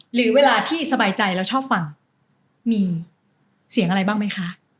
หรือเวลาที่สบายใจแล้วชอบฟังมีเสียงอะไรบ้างไหมคะ